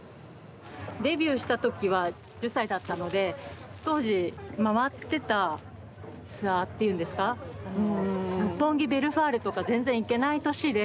デビューした時は１０歳だったので当時回ってたツアーっていうんですか六本木ヴェルファーレとか全然行けない年で。